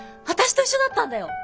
私と一緒だったんだよ。